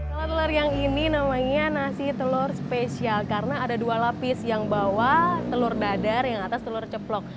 kalau telur yang ini namanya nasi telur spesial karena ada dua lapis yang bawa telur dadar yang atas telur ceplok